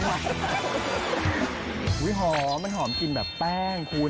หอมกลัวมันหอมกลิ่นแบบแป้งคุณ